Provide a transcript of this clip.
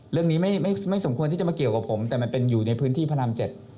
เรื่องนี้ไม่สมควรที่จะมาเกี่ยวกับผมแต่มันเป็นอยู่ในพื้นที่พระราม๗